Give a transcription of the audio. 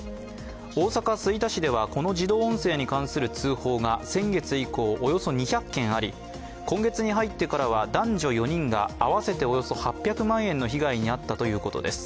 大阪・吹田市ではこの自動音声に関する通報が先月以降およそ２００件あり、今月に入ってからは、男女４人が合わせておよそ８００万円の被害に遭ったということです。